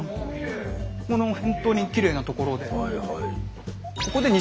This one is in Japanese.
このほんとにきれいなところで。